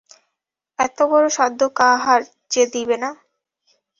এতবড় সাধ্য কাহার যে দিবে না?